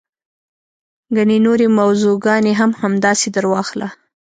ګڼې نورې موضوع ګانې هم همداسې درواخله.